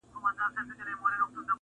ځکه هيڅ خوند د انتظار نشته